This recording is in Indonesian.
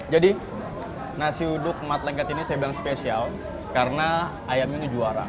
jadi nasi uduk mat lengket ini saya bilang spesial karena ayamnya ini juara